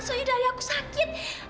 so iya dari aku sakit